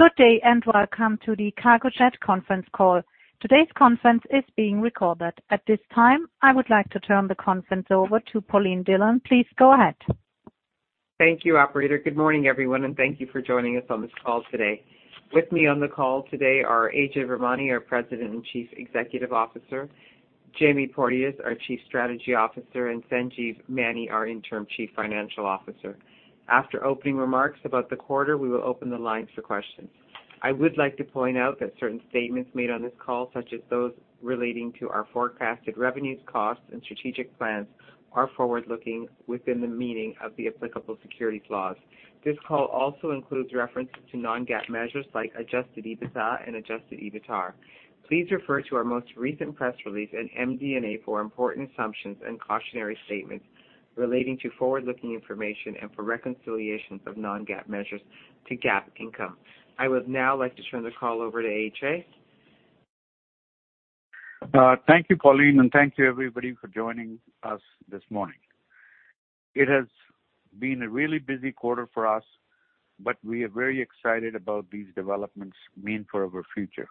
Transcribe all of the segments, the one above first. Good day, and welcome to the Cargojet conference call. Today's conference is being recorded. At this time, I would like to turn the conference over to Pauline Dhillon. Please go ahead. Thank you, operator. Good morning, everyone, and thank you for joining us on this call today. With me on the call today are Ajay Virmani, our President and Chief Executive Officer, Jamie Porteous, our Chief Strategy Officer, and Sanjeev Maini, our Interim Chief Financial Officer. After opening remarks about the quarter, we will open the lines for questions. I would like to point out that certain statements made on this call, such as those relating to our forecasted revenues, costs, and strategic plans, are forward-looking within the meaning of the applicable securities laws. This call also includes references to non-GAAP measures like Adjusted EBITDA and Adjusted EBITDAR. Please refer to our most recent press release and MD&A for important assumptions and cautionary statements relating to forward-looking information and for reconciliations of non-GAAP measures to GAAP income. I would now like to turn the call over to AJ. Thank you, Pauline, and thank you, everybody, for joining us this morning. It has been a really busy quarter for us, but we are very excited about these developments mean for our future.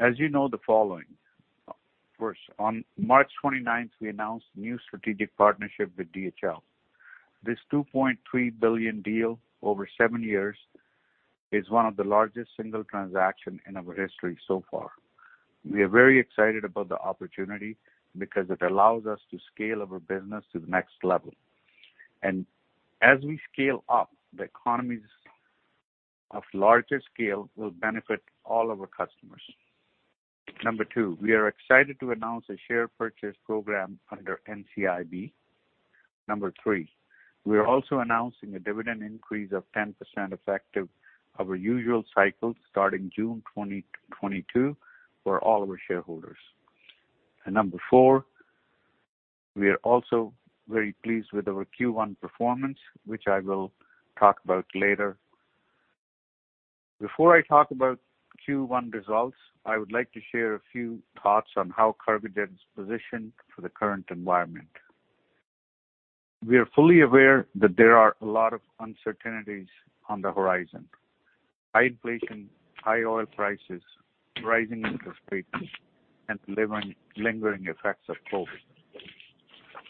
As you know, the following. First, on March 29th, we announced a new strategic partnership with DHL. This 2.3 billion deal over seven years is one of the largest single transaction in our history so far. We are very excited about the opportunity because it allows us to scale our business to the next level. As we scale up, the economies of larger scale will benefit all our customers. Number two, we are excited to announce a share purchase program under NCIB. Number three, we are also announcing a dividend increase of 10% effective our usual cycle starting June 20, 2022 for all our shareholders. Number four, we are also very pleased with our Q1 performance, which I will talk about later. Before I talk about Q1 results, I would like to share a few thoughts on how Cargojet is positioned for the current environment. We are fully aware that there are a lot of uncertainties on the horizon. High inflation, high oil prices, rising interest rates, and lingering effects of COVID.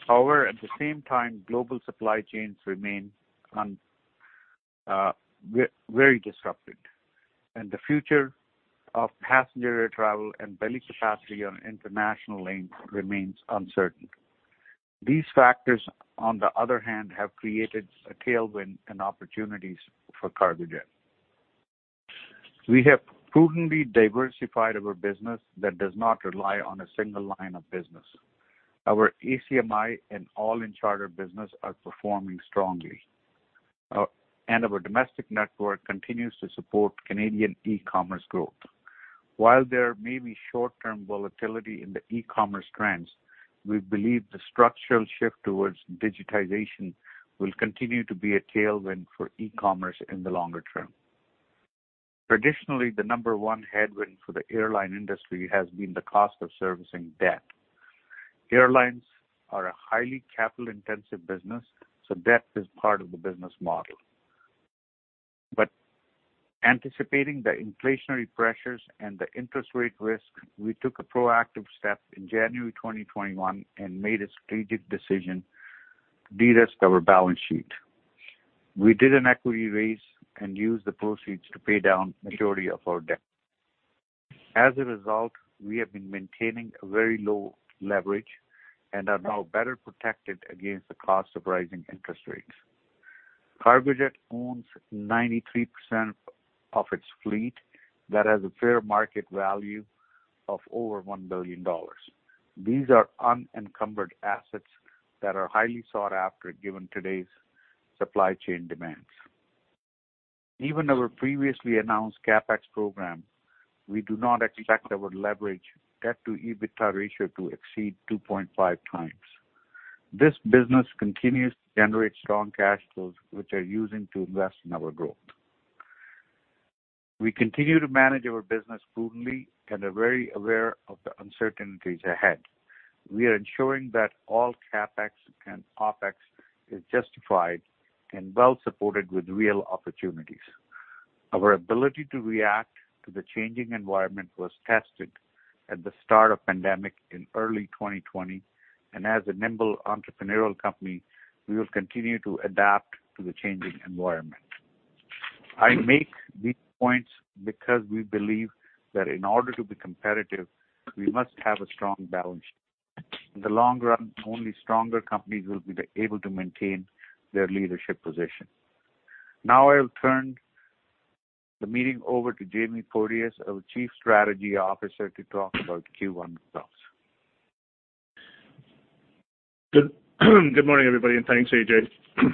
However, at the same time, global supply chains remain very disrupted, and the future of passenger travel and belly capacity on international lanes remains uncertain. These factors, on the other hand, have created a tailwind and opportunities for Cargojet. We have prudently diversified our business that does not rely on a single line of business. Our ACMI and all-in charter business are performing strongly. Our domestic network continues to support Canadian e-commerce growth. While there may be short-term volatility in the e-commerce trends, we believe the structural shift towards digitization will continue to be a tailwind for e-commerce in the longer term. Traditionally, the number one headwind for the airline industry has been the cost of servicing debt. Airlines are a highly capital-intensive business, so debt is part of the business model. Anticipating the inflationary pressures and the interest rate risk, we took a proactive step in January 2021 and made a strategic decision to de-risk our balance sheet. We did an equity raise and used the proceeds to pay down majority of our debt. As a result, we have been maintaining a very low leverage and are now better protected against the cost of rising interest rates. Cargojet owns 93% of its fleet that has a fair market value of over 1 billion dollars. These are unencumbered assets that are highly sought after given today's supply chain demands. Even our previously announced CapEx program, we do not expect our leverage debt to EBITDA ratio to exceed 2.5x. This business continues to generate strong cash flows, which we're using to invest in our growth. We continue to manage our business prudently and are very aware of the uncertainties ahead. We are ensuring that all CapEx and OpEx is justified and well supported with real opportunities. Our ability to react to the changing environment was tested at the start of pandemic in early 2020, and as a nimble entrepreneurial company, we will continue to adapt to the changing environment. I make these points because we believe that in order to be competitive, we must have a strong balance sheet. In the long run, only stronger companies will be able to maintain their leadership position. Now I'll turn the meeting over to Jamie Porteous, our Chief Strategy Officer, to talk about Q1 results. Good morning, everybody, and thanks, AJ.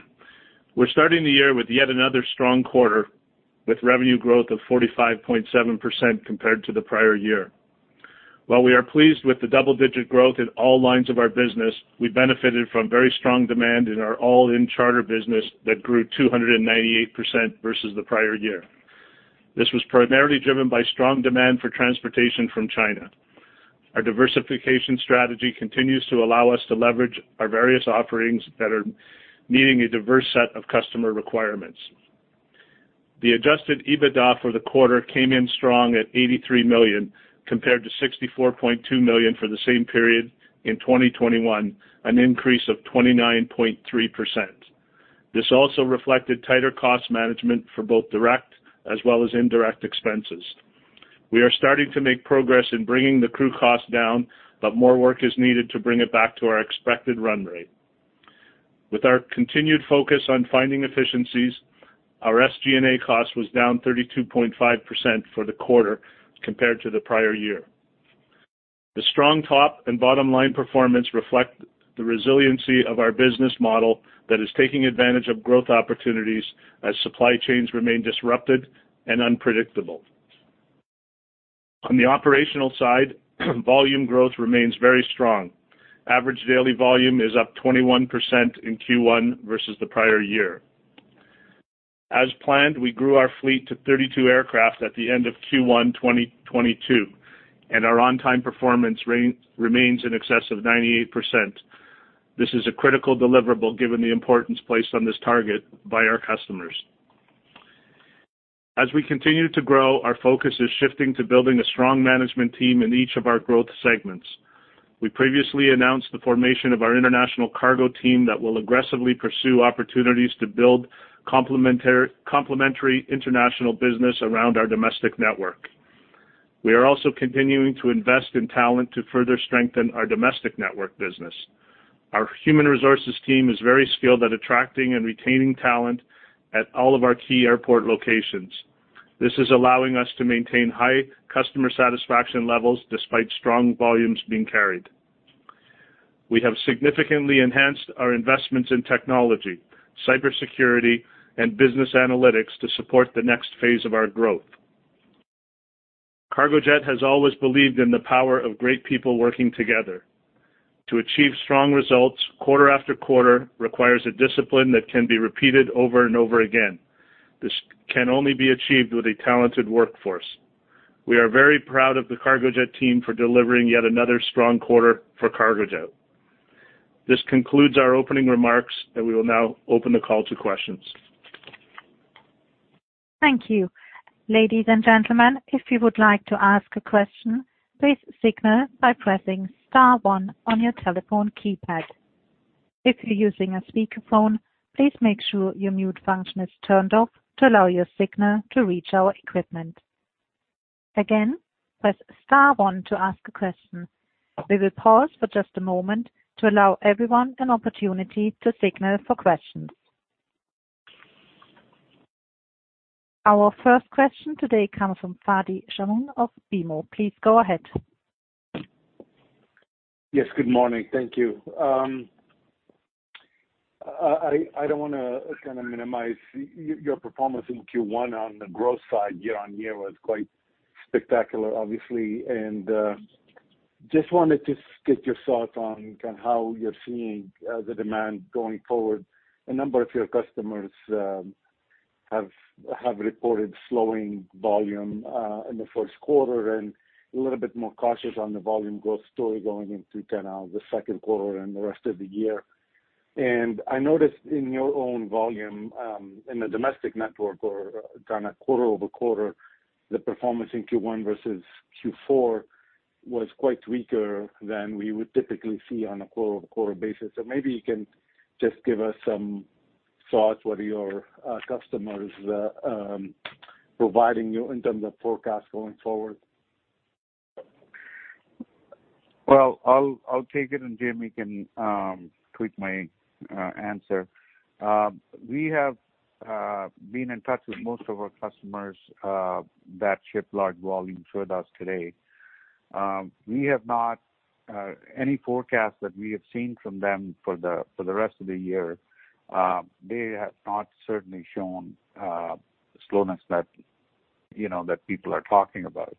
We're starting the year with yet another strong quarter, with revenue growth of 45.7% compared to the prior year. While we are pleased with the double-digit growth in all lines of our business, we benefited from very strong demand in our all-in charter business that grew 298% versus the prior year. This was primarily driven by strong demand for transportation from China. Our diversification strategy continues to allow us to leverage our various offerings that are meeting a diverse set of customer requirements. The Adjusted EBITDA for the quarter came in strong at 83 million, compared to 64.2 million for the same period in 2021, an increase of 29.3%. This also reflected tighter cost management for both direct as well as indirect expenses. We are starting to make progress in bringing the crew cost down, but more work is needed to bring it back to our expected run rate. With our continued focus on finding efficiencies, our SG&A cost was down 32.5% for the quarter compared to the prior year. The strong top and bottom line performance reflect the resiliency of our business model that is taking advantage of growth opportunities as supply chains remain disrupted and unpredictable. On the operational side, volume growth remains very strong. Average daily volume is up 21% in Q1 versus the prior year. As planned, we grew our fleet to 32 aircraft at the end of Q1 2022, and our on-time performance remains in excess of 98%. This is a critical deliverable given the importance placed on this target by our customers. As we continue to grow, our focus is shifting to building a strong management team in each of our growth segments. We previously announced the formation of our international cargo team that will aggressively pursue opportunities to build complementary international business around our domestic network. We are also continuing to invest in talent to further strengthen our domestic network business. Our human resources team is very skilled at attracting and retaining talent at all of our key airport locations. This is allowing us to maintain high customer satisfaction levels despite strong volumes being carried. We have significantly enhanced our investments in technology, cybersecurity and business analytics to support the next phase of our growth. Cargojet has always believed in the power of great people working together. To achieve strong results quarter after quarter requires a discipline that can be repeated over and over again. This can only be achieved with a talented workforce. We are very proud of the Cargojet team for delivering yet another strong quarter for Cargojet. This concludes our opening remarks, and we will now open the call to questions. Thank you. Ladies and gentlemen, if you would like to ask a question, please signal by pressing star one on your telephone keypad. If you're using a speakerphone, please make sure your mute function is turned off to allow your signal to reach our equipment. Again, press star one to ask a question. We will pause for just a moment to allow everyone an opportunity to signal for questions. Our first question today comes from Fadi Chamoun of BMO. Please go ahead. Yes, good morning. Thank you. I don't wanna kinda minimize your performance in Q1 on the growth side, year-on-year was quite spectacular, obviously. I just wanted to get your thoughts on kind of how you're seeing the demand going forward. A number of your customers have reported slowing volume in the first quarter and a little bit more cautious on the volume growth story going into kind of the second quarter and the rest of the year. I noticed in your own volume in the domestic network or kinda quarter-over-quarter, the performance in Q1 versus Q4 was quite weaker than we would typically see on a quarter-over-quarter basis. Maybe you can just give us some thoughts, what are your customers providing you in terms of forecast going forward? Well, I'll take it and Jamie can tweak my answer. We have been in touch with most of our customers that ship large volumes with us today. We have not any forecast that we have seen from them for the rest of the year, they have not certainly shown slowness that, you know, that people are talking about.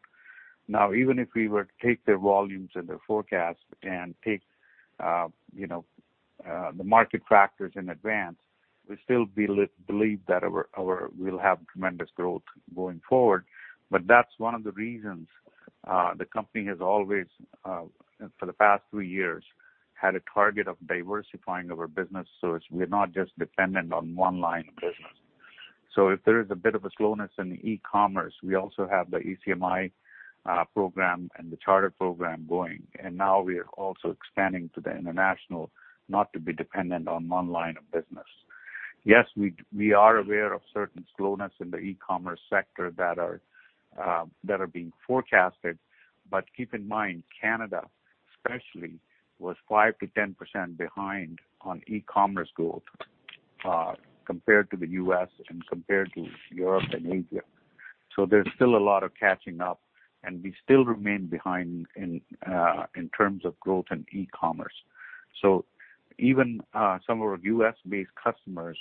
Now, even if we were to take their volumes and their forecast and take you know the market factors in advance, we still believe that we'll have tremendous growth going forward. That's one of the reasons the company has always for the past three years, had a target of diversifying our business so we're not just dependent on one line of business. If there is a bit of a slowness in the e-commerce, we also have the ACMI program and the charter program going, and now we are also expanding to the international, not to be dependent on one line of business. Yes, we are aware of certain slowness in the e-commerce sector that are being forecasted. Keep in mind, Canada especially was 5%-10% behind on e-commerce growth compared to the U.S. and compared to Europe and Asia. There's still a lot of catching up, and we still remain behind in terms of growth in e-commerce. Even some of our U.S.-based customers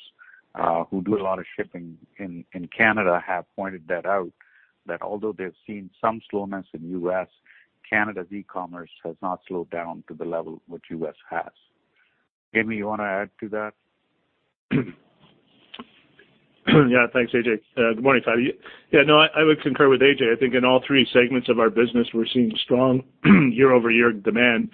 who do a lot of shipping in Canada have pointed that out, that although they've seen some slowness in U.S., Canada's e-commerce has not slowed down to the level which U.S. has. Jamie, you wanna add to that? Yeah, thanks, AJ. Good morning, Fadi. Yeah, no, I would concur with AJ. I think in all three segments of our business, we're seeing strong year-over-year demand,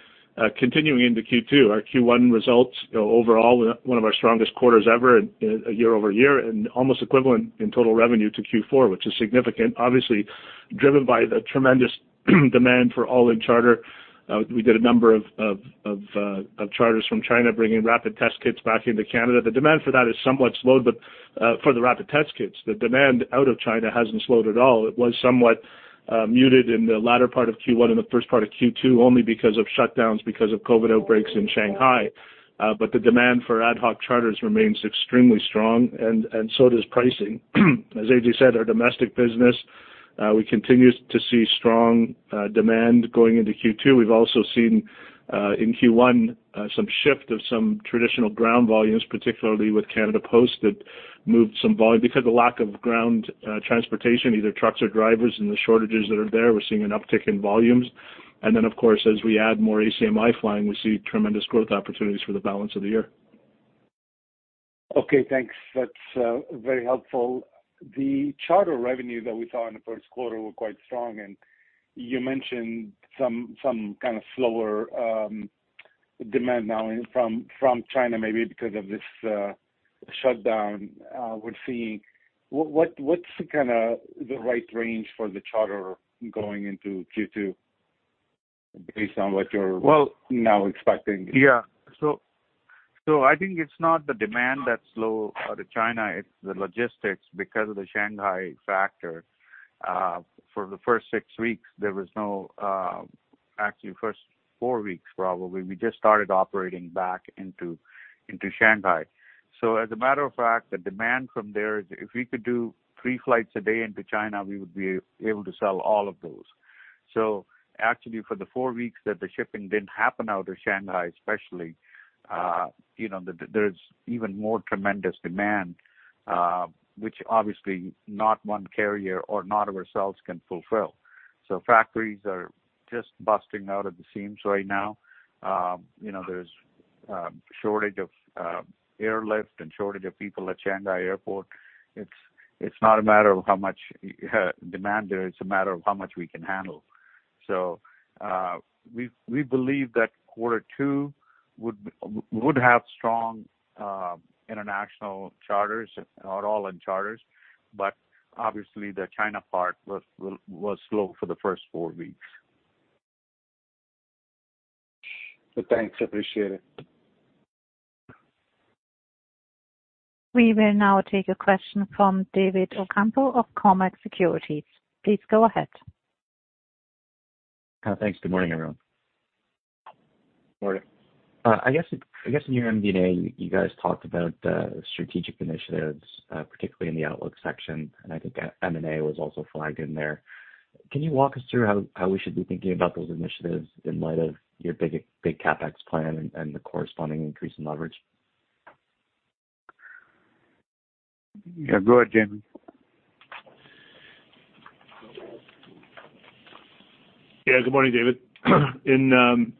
continuing into Q2. Our Q1 results, you know, overall one of our strongest quarters ever in, you know, year-over-year and almost equivalent in total revenue to Q4, which is significant, obviously driven by the tremendous demand for all-in charter. We did a number of charters from China bringing rapid test kits back into Canada. The demand for that has somewhat slowed, but for the rapid test kits, the demand out of China hasn't slowed at all. It was somewhat muted in the latter part of Q1 and the first part of Q2 only because of shutdowns because of COVID outbreaks in Shanghai. The demand for ad hoc charters remains extremely strong and so does pricing. As AJ said, our domestic business, we continue to see strong demand going into Q2. We've also seen, in Q1, some shift of some traditional ground volumes, particularly with Canada Post, that moved some volume. Because of lack of ground transportation, either trucks or drivers and the shortages that are there, we're seeing an uptick in volumes. Then, of course, as we add more ACMI flying, we see tremendous growth opportunities for the balance of the year. Okay, thanks. That's very helpful. The charter revenue that we saw in the first quarter were quite strong, and you mentioned some kind of slower demand now from China, maybe because of this shutdown, we're seeing. What's kinda the right range for the charter going into Q2 based on what you're now expecting? Yeah. I think it's not the demand that's slow out of China, it's the logistics. Because of the Shanghai factor, for the first six weeks, there was no. Actually, first four weeks probably. We just started operating back into Shanghai. As a matter of fact, the demand from there is if we could do three flights a day into China, we would be able to sell all of those. Actually, for the four weeks that the shipping didn't happen out of Shanghai, especially, there's even more tremendous demand, which obviously not one carrier or not ourselves can fulfill. Factories are just busting out of the seams right now. You know, there's a shortage of airlift and shortage of people at Shanghai Airport. It's not a matter of how much demand there is, it's a matter of how much we can handle. We believe that quarter two would have strong international charters or all-in charters, but obviously the China part was slow for the first four weeks. Thanks. Appreciate it. We will now take a question from David Ocampo of Cormark Securities. Please go ahead. Thanks. Good morning, everyone. Morning. I guess in your MD&A, you guys talked about strategic initiatives, particularly in the outlook section, and I think M&A was also flagged in there. Can you walk us through how we should be thinking about those initiatives in light of your big CapEx plan and the corresponding increase in leverage? Yeah, go ahead, Jamie. Yeah. Good morning, David.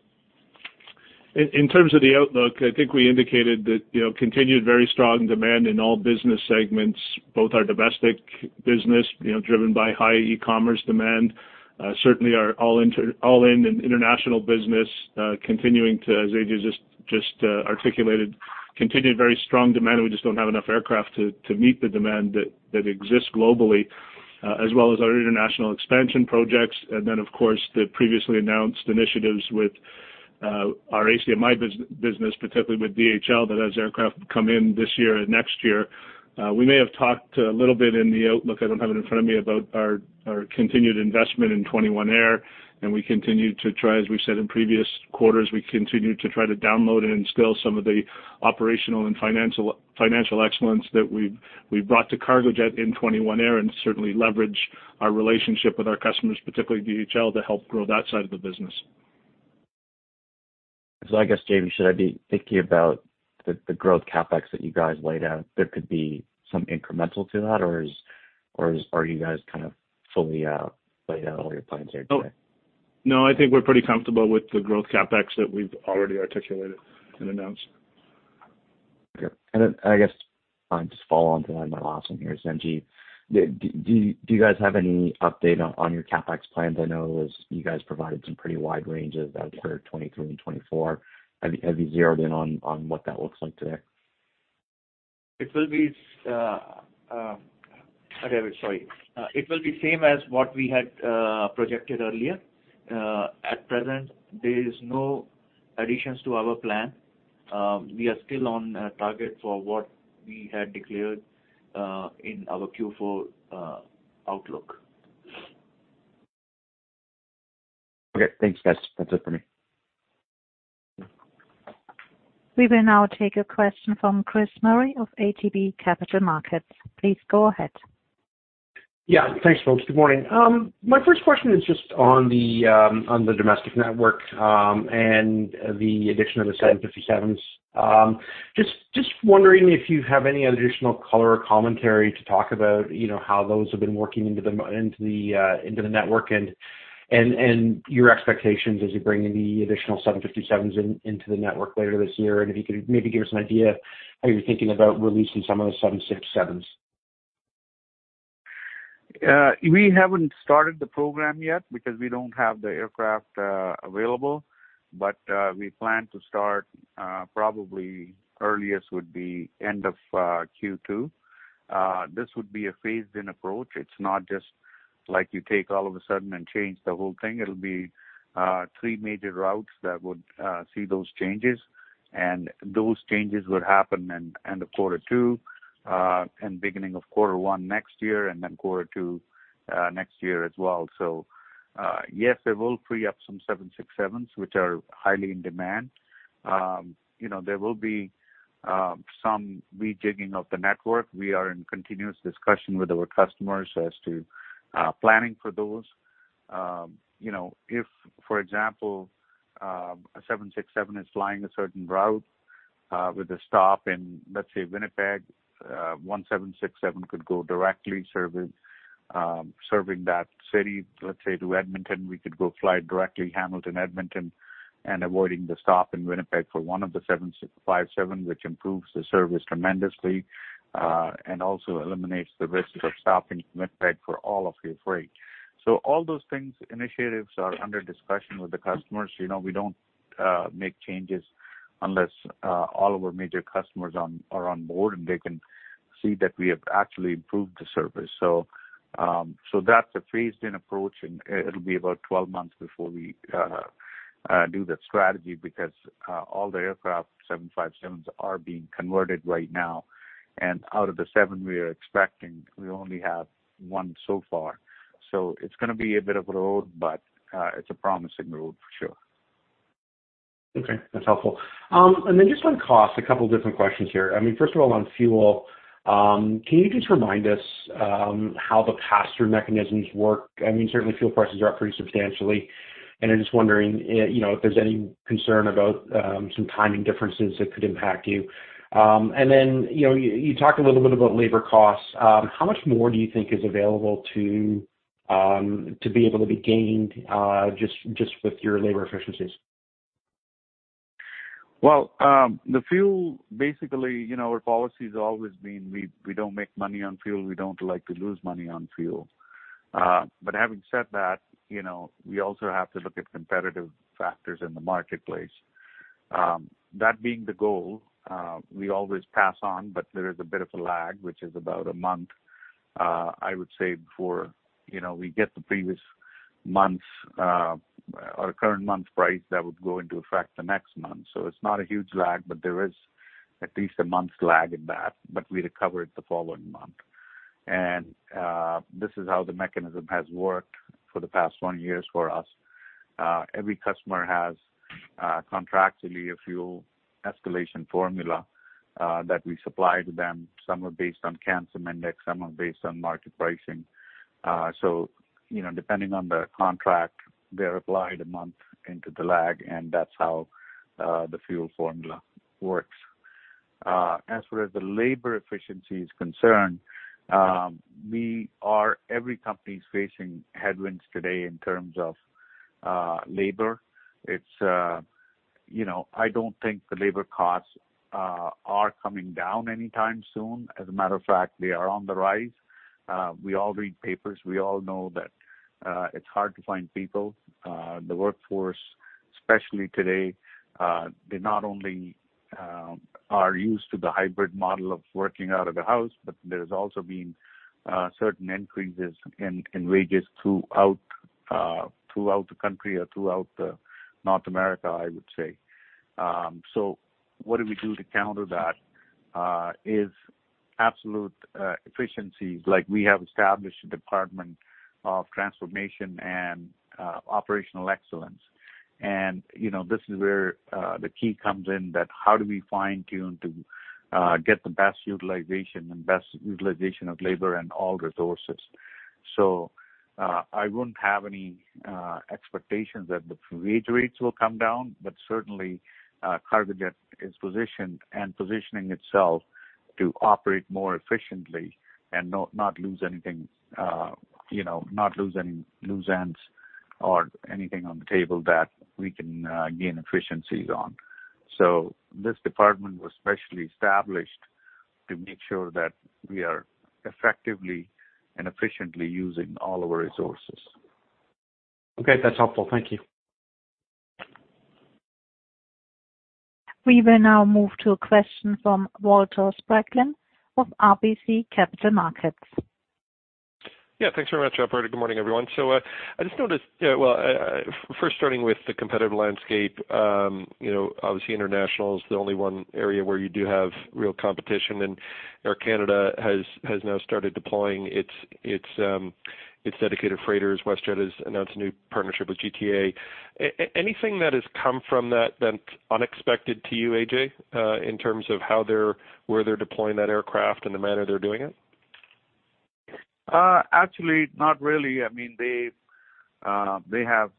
In terms of the outlook, I think we indicated that, you know, continued very strong demand in all business segments, both our domestic business, you know, driven by high e-commerce demand. Certainly our ACMI and international business, continuing to, as AJ just articulated, continued very strong demand. We just don't have enough aircraft to meet the demand that exists globally, as well as our international expansion projects. Of course, the previously announced initiatives with our ACMI business, particularly with DHL, that has aircraft come in this year and next year. We may have talked a little bit in the outlook, I don't have it in front of me, about our continued investment in 21 Air, and we continue to try. As we said in previous quarters, we continue to try to download and instill some of the operational and financial excellence that we've brought to Cargojet in 21 Air and certainly leverage our relationship with our customers, particularly DHL, to help grow that side of the business. I guess, Jamie, should I be thinking about the growth CapEx that you guys laid out, there could be some incremental to that or are you guys kind of fully laid out all your plans there today? No, no, I think we're pretty comfortable with the growth CapEx that we've already articulated and announced. Okay. I guess just following on to that, my last one here is NG. Do you guys have any update on your CapEx plans? I know it was. You guys provided some pretty wide ranges out for 2023 and 2024. Have you zeroed in on what that looks like today? Hi, David. Sorry. It will be same as what we had projected earlier. At present, there is no additions to our plan. We are still on target for what we had declared in our Q4 outlook. Okay. Thanks, guys. That's it for me. We will now take a question from Chris Murray of ATB Capital Markets. Please go ahead. Yeah. Thanks, folks. Good morning. My first question is just on the domestic network and the addition of the 757s. Just wondering if you have any additional color or commentary to talk about, you know, how those have been working into the network and your expectations as you bring in the additional 757s into the network later this year. If you could maybe give us an idea how you're thinking about releasing some of the 767s. We haven't started the program yet because we don't have the aircraft available. We plan to start, probably earliest would be end of Q2. This would be a phased-in approach. It's not just like you take all of a sudden and change the whole thing. It'll be three major routes that would see those changes. Those changes would happen in end of quarter two, and beginning of quarter one next year, and then quarter two next year as well. Yes, it will free up some 767s, which are highly in demand. You know, there will be some rejigging of the network. We are in continuous discussion with our customers as to planning for those. You know, if, for example, a 767 is flying a certain route, with a stop in, let's say Winnipeg, one 767 could go directly serving that city, let's say to Edmonton, we could go fly directly Hamilton, Edmonton, and avoiding the stop in Winnipeg for one of the 757, which improves the service tremendously, and also eliminates the risk of stopping in Winnipeg for all of your freight. All those things, initiatives are under discussion with the customers. You know, we don't make changes unless all of our major customers are on board, and they can see that we have actually improved the service. That's a phased-in approach, and it'll be about 12 months before we do that strategy because all the aircraft, 757s, are being converted right now. Out of the seven we are expecting, we only have 1 so far. It's gonna be a bit of a road, but it's a promising road for sure. Okay, that's helpful. Just on cost, a couple different questions here. I mean, first of all, on fuel, can you just remind us how the pass-through mechanisms work? I mean, certainly fuel prices are up pretty substantially, and I'm just wondering, you know, if there's any concern about some timing differences that could impact you. You know, you talked a little bit about labor costs. How much more do you think is available to be able to be gained just with your labor efficiencies? Well, the fuel, basically, you know, our policy has always been we don't make money on fuel. We don't like to lose money on fuel. Having said that, you know, we also have to look at competitive factors in the marketplace. That being the goal, we always pass on, but there is a bit of a lag, which is about a month, I would say, before, you know, we get the previous month's, or current month price that would go into effect the next month. It's not a huge lag, but there is at least a month's lag in that. We recover it the following month. This is how the mechanism has worked for the past one years for us. Every customer has contractually a fuel escalation formula that we supply to them. Some are based on CANSIM index, some are based on market pricing. You know, depending on the contract, they're applied a month into the lag, and that's how the fuel formula works. As far as the labor efficiency is concerned, every company is facing headwinds today in terms of labor. It's you know, I don't think the labor costs are coming down anytime soon. As a matter of fact, they are on the rise. We all read papers. We all know that it's hard to find people. The workforce, especially today, they not only are used to the hybrid model of working out of the house, but there's also been certain increases in wages throughout the country or throughout North America, I would say. What do we do to counter that is absolute efficiency. Like, we have established a department of transformation and operational excellence. You know, this is where the key comes in that how do we fine-tune to get the best utilization of labor and all resources. I wouldn't have any expectations that the wage rates will come down, but certainly Cargojet is positioned and positioning itself to operate more efficiently and not lose anything, you know, not lose any loose ends or anything on the table that we can gain efficiencies on. This department was specially established to make sure that we are effectively and efficiently using all our resources. Okay, that's helpful. Thank you. We will now move to a question from Walter Spracklin of RBC Capital Markets. Yeah, thanks very much, operator. Good morning, everyone. I just noticed, well, first starting with the competitive landscape, you know, obviously international is the only one area where you do have real competition. Air Canada has now started deploying its dedicated freighters. WestJet has announced a new partnership with GTA. Anything that has come from that that's unexpected to you, AJ, in terms of where they're deploying that aircraft and the manner they're doing it? Actually, not really. I mean, they have,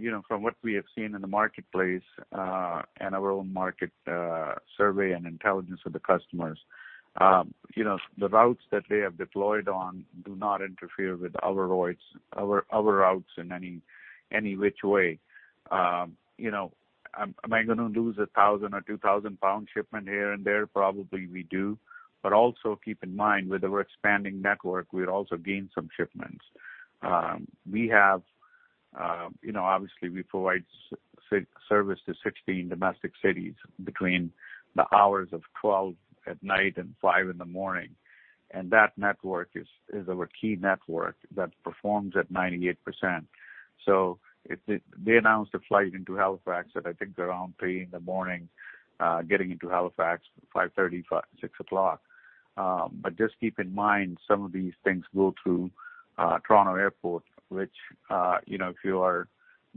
you know, from what we have seen in the marketplace, and our own market survey and intelligence of the customers, you know, the routes that they have deployed on do not interfere with our routes in any which way. You know, am I gonna lose a 1,000 or 2,000 pound shipment here and there? Probably we do. But also keep in mind, with our expanding network, we'd also gain some shipments. You know, obviously, we provide service to 16 domestic cities between the hours of 12:00 A.M. and 5:00 A.M. That network is our key network that performs at 98%. They announced a flight into Halifax that I think they're around 3:00 A.M., getting into Halifax 5:30, five-six o'clock. Just keep in mind, some of these things go through Toronto Airport, which you know if you are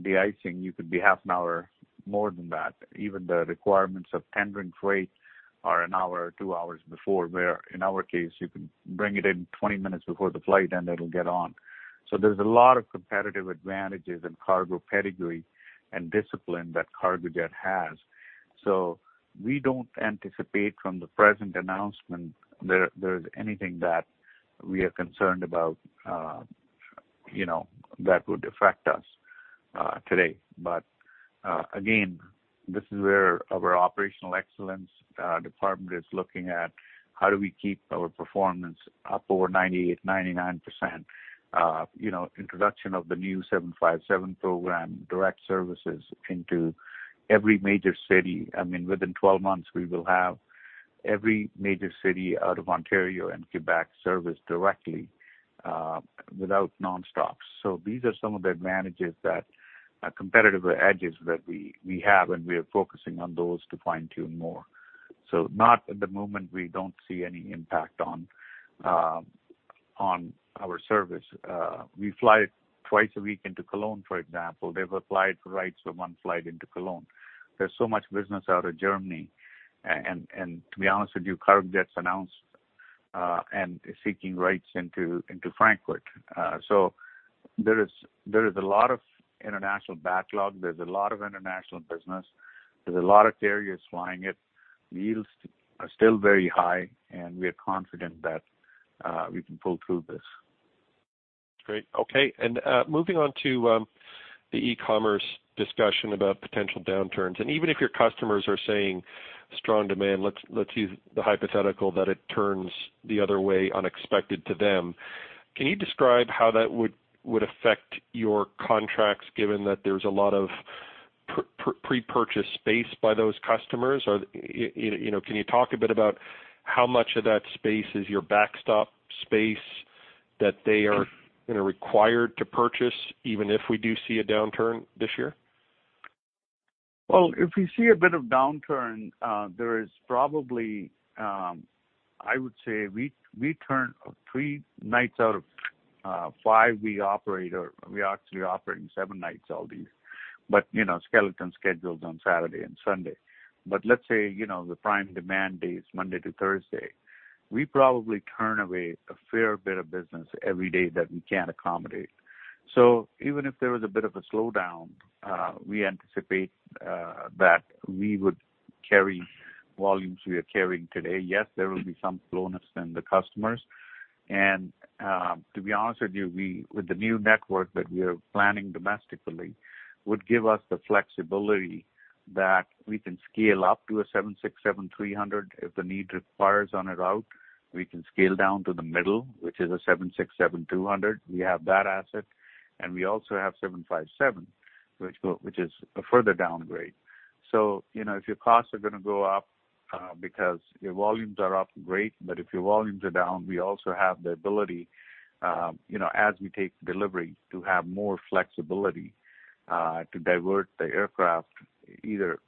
de-icing, you could be half an hour more than that. Even the requirements of tendering freight are an hour or two hours before, where in our case, you can bring it in 20 minutes before the flight, and it'll get on. There's a lot of competitive advantages and cargo pedigree and discipline that Cargojet has. We don't anticipate from the present announcement there's anything that we are concerned about that would affect us today. Again, this is where our operational excellence department is looking at how do we keep our performance up over 98%, 99%. You know, introduction of the new 757 program, direct services into every major city. I mean, within 12 months, we will have every major city out of Ontario and Quebec serviced directly, without nonstops. These are some of the advantages that, competitive edges that we have, and we are focusing on those to fine-tune more. Not at the moment, we don't see any impact on our service. We fly twice a week into Cologne, for example. They've applied for rights for one flight into Cologne. There's so much business out of Germany. And to be honest with you, Cargojet has announced and is seeking rights into Frankfurt. There is a lot of international backlog. There's a lot of international business. There's a lot of carriers flying it. The yields are still very high, and we are confident that we can pull through this. Great. Okay. Moving on to the e-commerce discussion about potential downturns, and even if your customers are saying strong demand, let's use the hypothetical that it turns the other way unexpectedly to them. Can you describe how that would affect your contracts given that there's a lot of pre-purchase space by those customers? Or, you know, can you talk a bit about how much of that space is your backstop space that they are, you know, required to purchase even if we do see a downturn this year? Well, if we see a bit of downturn, there is probably, I would say we turn three nights out of five, we operate or we are actually operating seven nights a week. You know, skeleton schedules on Saturday and Sunday. Let's say, you know, the prime demand days, Monday to Thursday, we probably turn away a fair bit of business every day that we can't accommodate. Even if there was a bit of a slowdown, we anticipate that we would carry volumes we are carrying today. Yes, there will be some slowness in the customers. To be honest with you, with the new network that we are planning domestically, would give us the flexibility that we can scale up to a 767-300 if the need requires on a route. We can scale down to the middle, which is a 767-200. We have that asset, and we also have 757, which is a further downgrade. You know, if your costs are gonna go up because your volumes are up, great. If your volumes are down, we also have the ability, you know, as we take delivery to have more flexibility to divert the aircraft either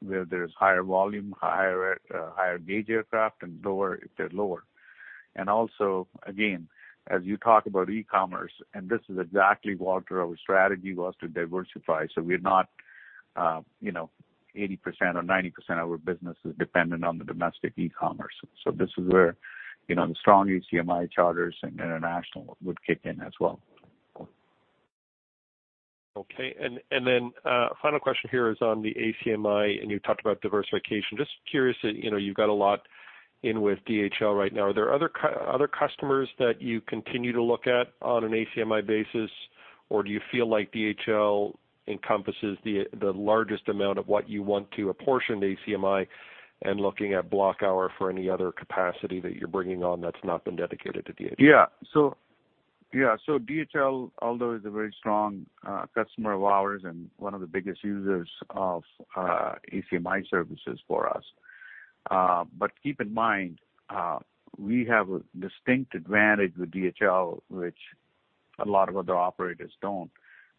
where there's higher volume, higher gauge aircraft and lower if they're lower. Also, again, as you talk about e-commerce, and this is exactly, Walter, our strategy was to diversify. We're not, you know, 80% or 90% of our business is dependent on the domestic e-commerce. This is where, you know, the strong ACMI charters and international would kick in as well. Okay. Final question here is on the ACMI, and you talked about diversification. Just curious, you know, you've got a lot in with DHL right now. Are there other customers that you continue to look at on an ACMI basis, or do you feel like DHL encompasses the largest amount of what you want to apportion ACMI and looking at block hour for any other capacity that you're bringing on that's not been dedicated to DHL? DHL, although, is a very strong customer of ours and one of the biggest users of ACMI services for us. Keep in mind, we have a distinct advantage with DHL, which a lot of other operators don't.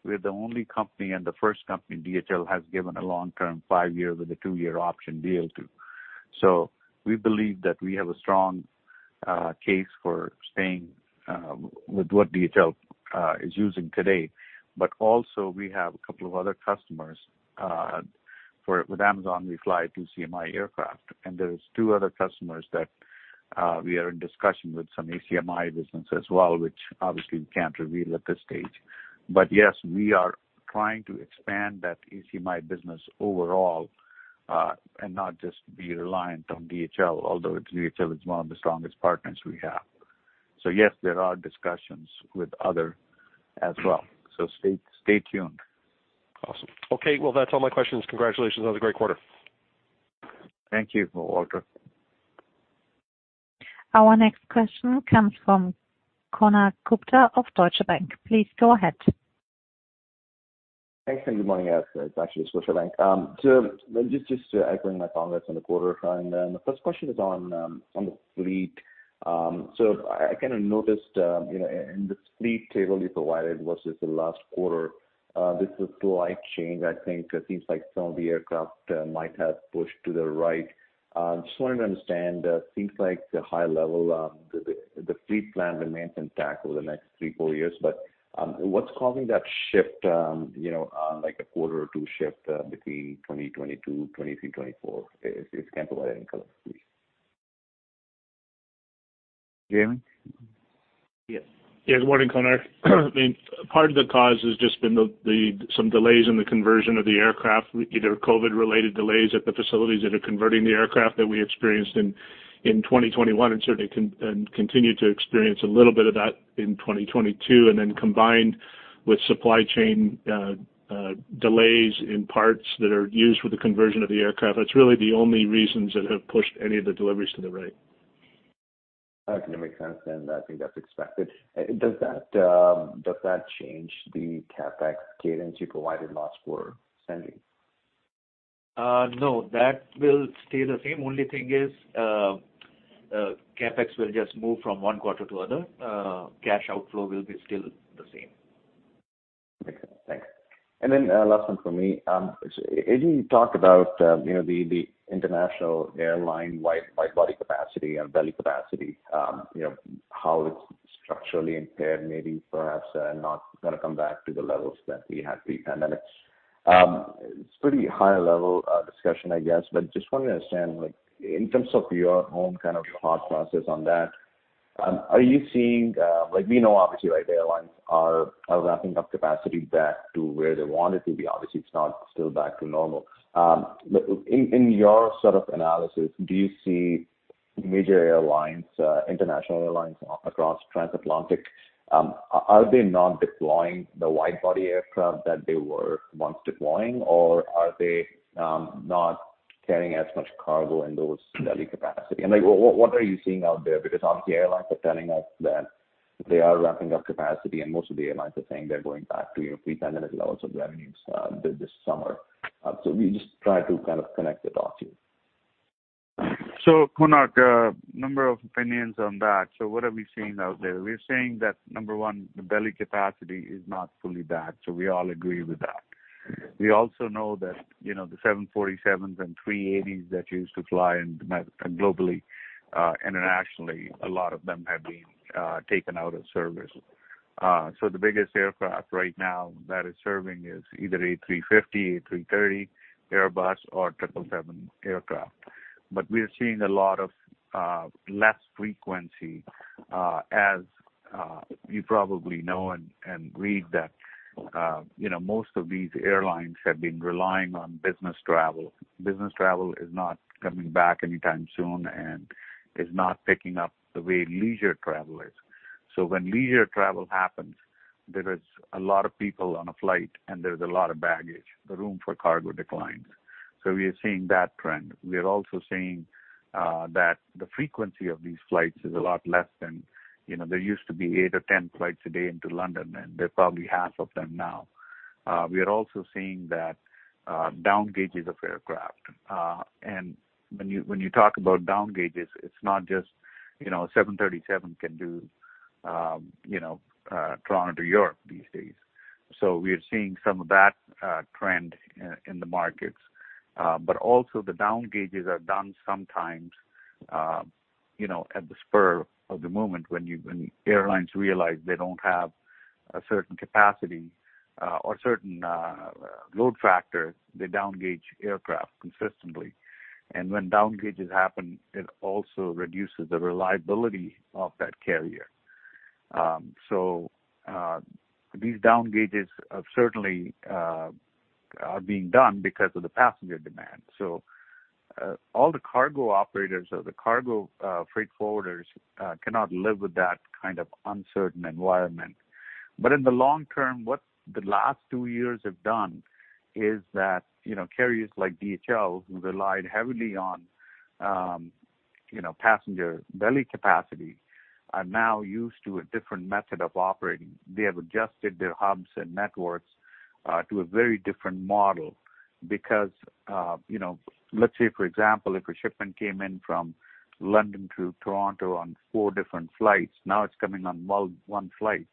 We're the only company and the first company DHL has given a long-term five-year with a two-year option deal to. We believe that we have a strong case for staying with what DHL is using today. Also, we have a couple of other customers. With Amazon, we fly two CMI aircraft. There's two other customers that we are in discussion with some ACMI business as well, which obviously we can't reveal at this stage. Yes, we are trying to expand that ACMI business overall, and not just be reliant on DHL, although DHL is one of the strongest partners we have. Yes, there are discussions with others as well. Stay tuned. Awesome. Okay. Well, that's all my questions. Congratulations. That was a great quarter. Thank you, Walter. Our next question comes from Konark Gupta of Deutsche Bank. Please go ahead. Thanks, and good morning. Yes, it's actually Deutsche Bank. Just echoing my congrats on the quarter. Then the first question is on the fleet. I kind of noticed in the fleet table you provided versus the last quarter, there's a slight change. I think it seems like some of the aircraft might have pushed to the right. Just wanted to understand. Seems like the high level, the fleet plan remains intact over the next three-four years. What's causing that shift, like a quarter or two shift, between 2022, 2023, 2024 is kind of why I didn't call it a fleet. Jamie? Yes. Yeah, good morning, Konark. I mean, part of the cause has just been some delays in the conversion of the aircraft, either COVID-related delays at the facilities that are converting the aircraft that we experienced in 2021, and certainly continue to experience a little bit of that in 2022, and then combined with supply chain delays in parts that are used for the conversion of the aircraft. That's really the only reasons that have pushed any of the deliveries to the right. Okay. That makes sense, and I think that's expected. Does that change the CapEx guidance you provided last quarter, Sandy? No, that will stay the same. Only thing is, CapEx will just move from one quarter to other. Cash outflow will be still the same. Okay, thanks. Last one for me. AJ talked about, you know, the international airline wide-body capacity and belly capacity, you know, how it's structurally impaired, maybe, perhaps, not gonna come back to the levels that we had pre-pandemic. It's pretty high-level discussion, I guess. Just want to understand, like, in terms of your own kind of thought process on that, are you seeing, like we know obviously, right, airlines are ramping up capacity back to where they want it to be. Obviously, it's not still back to normal. In your sort of analysis, do you see major airlines, international airlines across transatlantic, are they not deploying the wide-body aircraft that they were once deploying, or are they not carrying as much cargo in those belly capacity? Like, what are you seeing out there? Because obviously airlines are telling us that they are ramping up capacity, and most of the airlines are saying they're going back to, you know, pre-pandemic levels of revenues, this summer. We just try to kind of connect the dots here. Konark, a number of opinions on that. What are we seeing out there? We're seeing that, number one, the belly capacity is not fully back. We all agree with that. We also know that, you know, the 747s and A380s that used to fly globally, internationally, a lot of them have been taken out of service. The biggest aircraft right now that is serving is either A350, A330 Airbus or 777 aircraft. But we are seeing a lot of less frequency, as you probably know and read that, you know, most of these airlines have been relying on business travel. Business travel is not coming back anytime soon and is not picking up the way leisure travel is. When leisure travel happens, there is a lot of people on a flight, and there's a lot of baggage. The room for cargo declines. We are seeing that trend. We are also seeing that the frequency of these flights is a lot less than, you know, there used to be 8 or 10 flights a day into London, and they're probably half of them now. We are also seeing that down gauges of aircraft. When you talk about down gauges, it's not just, you know, 737 can do Toronto to Europe these days. We are seeing some of that trend in the markets. Also the down gauges are done sometimes, you know, at the spur of the moment when airlines realize they don't have a certain capacity, or certain load factor, they down gauge aircraft consistently. When down gauges happen, it also reduces the reliability of that carrier. These down gauges certainly are being done because of the passenger demand. All the cargo operators or the cargo freight forwarders cannot live with that kind of uncertain environment. In the long term, what the last two years have done is that, you know, carriers like DHL, who relied heavily on, you know, passenger belly capacity, are now used to a different method of operating. They have adjusted their hubs and networks to a very different model because, you know, let's say, for example, if a shipment came in from London to Toronto on four different flights, now it's coming on one flight.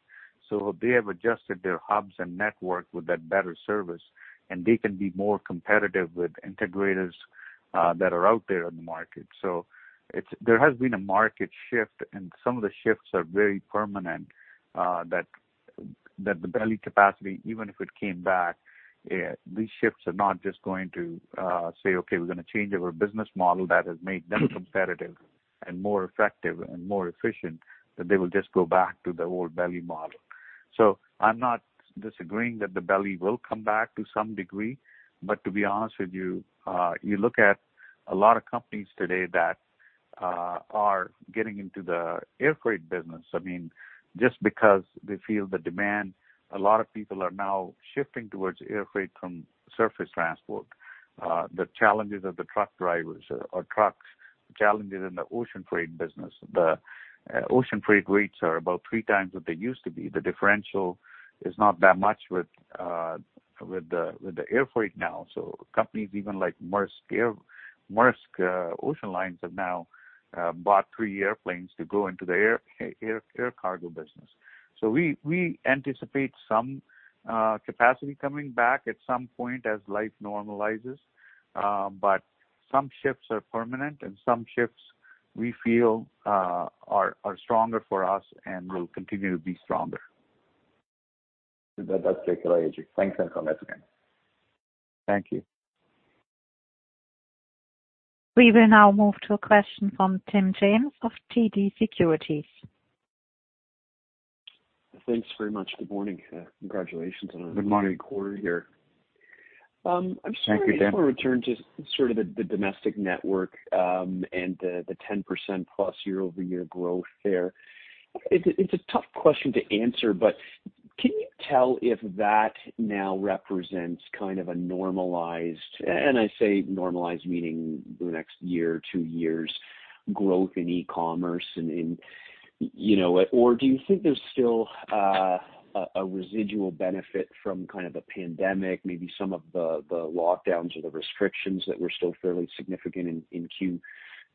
They have adjusted their hubs and network with that better service, and they can be more competitive with integrators that are out there in the market. There has been a market shift, and some of the shifts are very permanent that the belly capacity, even if it came back, these shifts are not just going to say, okay, we're gonna change our business model that has made them competitive and more effective and more efficient, that they will just go back to the old belly model. I'm not disagreeing that the belly will come back to some degree. To be honest with you look at a lot of companies today that are getting into the air freight business. I mean, just because they feel the demand, a lot of people are now shifting towards air freight from surface transport. The challenges of the truck drivers or trucks, challenges in the ocean freight business. The ocean freight rates are about three times what they used to be. The differential is not that much with the air freight now. Companies even like Maersk have now bought three airplanes to go into the air cargo business. We anticipate some capacity coming back at some point as life normalizes. Some shifts are permanent and some shifts we feel are stronger for us and will continue to be stronger. That, that's great, Ajay. Thanks. Thanks again. Thank you. We will now move to a question from Tim James of TD Securities. Thanks very much. Good morning. Good morning. Great quarter here. I'm sorry. Thank you, Tim. If I return to sort of the domestic network, and the 10%+ year-over-year growth there. It's a tough question to answer, but can you tell if that now represents kind of a normalized, and I say normalized meaning the next year or two years growth in e-commerce and, you know. Or do you think there's still a residual benefit from kind of the pandemic, maybe some of the lockdowns or the restrictions that were still fairly significant in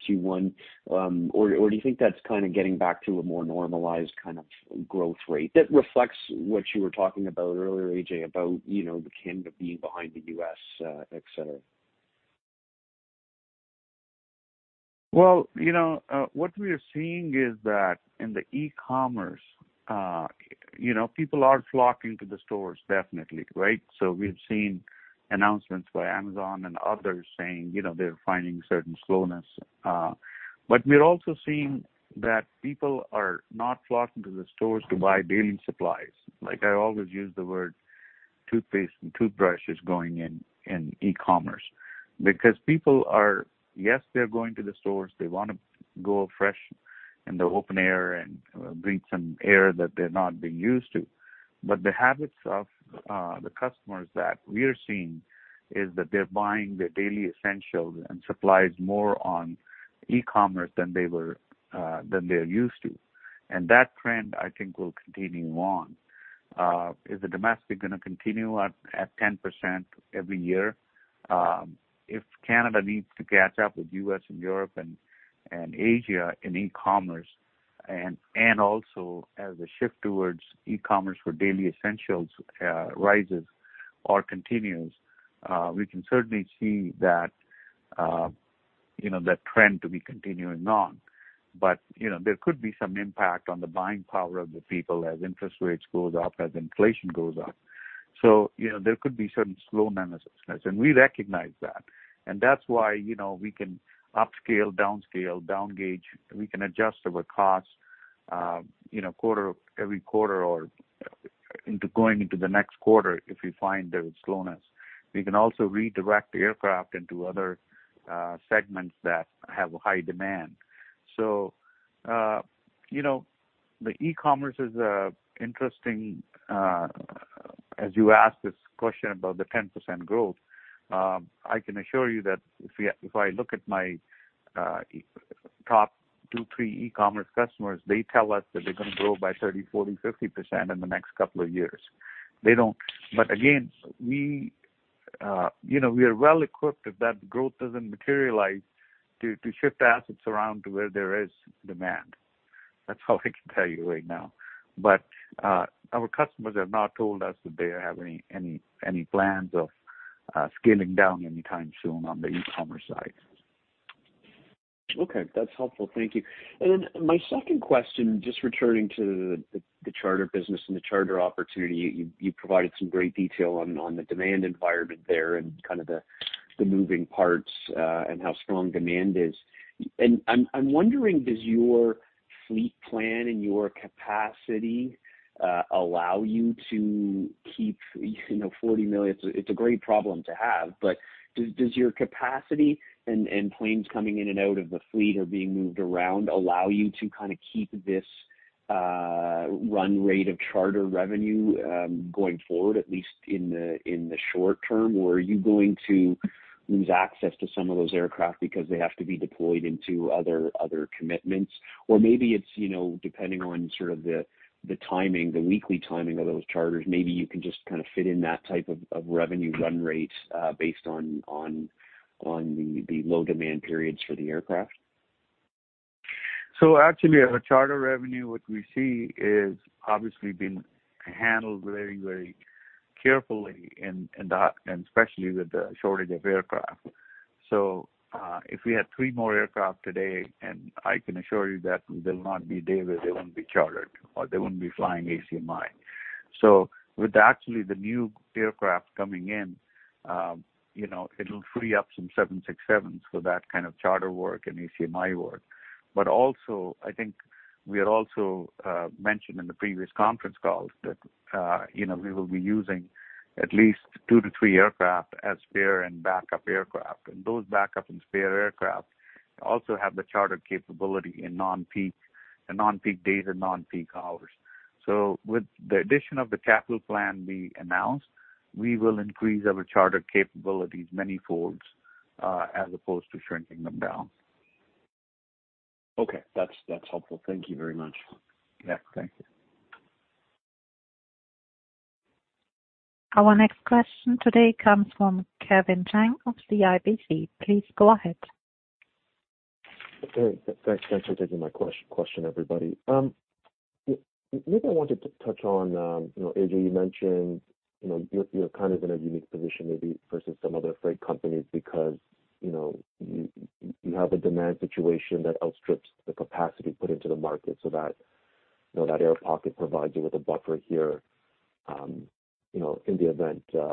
Q1? Or do you think that's kinda getting back to a more normalized kind of growth rate that reflects what you were talking about earlier, Ajay, about, you know, Canada being behind the U.S., et cetera? Well, you know, what we are seeing is that in the e-commerce, you know, people are flocking to the stores definitely, right? We've seen announcements by Amazon and others saying, you know, they're finding certain slowness. We're also seeing that people are not flocking to the stores to buy daily supplies. Like I always use the word toothpaste and toothbrushes going in e-commerce. Because people are yes, they're going to the stores. They wanna go fresh in the open air and breathe some air that they've not been used to. The habits of the customers that we are seeing is that they're buying their daily essentials and supplies more on e-commerce than they're used to. That trend, I think, will continue on. Is the domestic gonna continue at 10% every year? If Canada needs to catch up with U.S. and Europe and Asia in e-commerce, and also as the shift towards e-commerce for daily essentials rises or continues, we can certainly see that, you know, that trend to be continuing on. You know, there could be some impact on the buying power of the people as interest rates goes up, as inflation goes up. You know, there could be certain slowness. We recognize that. That's why, you know, we can upscale, downscale, downgauge. We can adjust our costs, you know, every quarter or into going into the next quarter if we find there is slowness. We can also redirect aircraft into other segments that have high demand. You know, the e-commerce is interesting, as you ask this question about the 10% growth. I can assure you that if I look at my top two, three e-commerce customers, they tell us that they're gonna grow by 30, 40, 50% in the next couple of years. We are well equipped, if that growth doesn't materialize, to shift assets around to where there is demand. That's all I can tell you right now. Our customers have not told us that they have any plans of scaling down anytime soon on the e-commerce side. Okay. That's helpful. Thank you. My second question, just returning to the charter business and the charter opportunity. You provided some great detail on the demand environment there and kind of the moving parts, and how strong demand is. I'm wondering, does your fleet plan and your capacity allow you to keep, you know, 40 million? It's a great problem to have, but does your capacity and planes coming in and out of the fleet or being moved around allow you to kinda keep this run rate of charter revenue going forward, at least in the short term? Or are you going to lose access to some of those aircraft because they have to be deployed into other commitments? Maybe it's, you know, depending on sort of the timing, the weekly timing of those charters, maybe you can just kinda fit in that type of revenue run rates, based on the low demand periods for the aircraft. Actually, our charter revenue, what we see is obviously been handled very, very carefully in that, and especially with the shortage of aircraft. If we had three more aircraft today, and I can assure you that they'll not be idle, they won't be chartered or they wouldn't be flying ACMI. With actually the new aircraft coming in, you know, it'll free up some 767s for that kind of charter work and ACMI work. I think we had also mentioned in the previous conference calls that, you know, we will be using at least two-three aircraft as spare and backup aircraft. Those backup and spare aircraft also have the charter capability in non-peak days and non-peak hours. With the addition of the capital plan we announced, we will increase our charter capabilities many folds, as opposed to shrinking them down. Okay. That's helpful. Thank you very much. Yeah. Thank you. Our next question today comes from Kevin Chiang of CIBC. Please go ahead. Okay. Thanks for taking my question, everybody. Maybe I wanted to touch on, you know, AJ, you mentioned, you know, you're in a unique position maybe versus some other freight companies because, you know, you have a demand situation that outstrips the capacity put into the market so that, you know, that air pocket provides you with a buffer here, you know, in the event, you